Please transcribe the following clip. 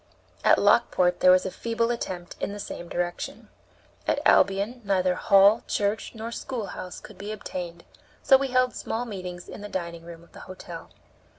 At Lockport there was a feeble attempt in the same direction. At Albion neither hall, church, nor schoolhouse could be obtained, so we held small meetings in the dining room of the hotel.